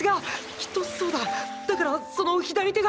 きっとそうだだからその左手が！